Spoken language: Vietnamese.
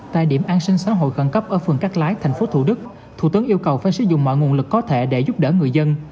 tại điểm an sinh xã hội khẩn cấp ở phường cát lái tp thủ đức thủ tướng yêu cầu phải sử dụng mọi nguồn lực có thể để giúp đỡ người dân